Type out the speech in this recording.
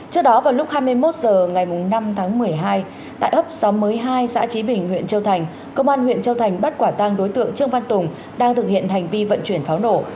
trước đó vào lúc hai mươi một h ngày năm tháng một mươi hai tại ấp xóm mới hai xã trí bình huyện châu thành công an huyện châu thành bắt quả tang đối tượng trương văn tùng đang thực hiện hành vi vận chuyển pháo nổ